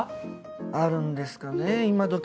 あるんですかねぇ今どき